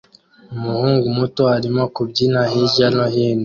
Umuhungu muto arimo kubyina hirya no hino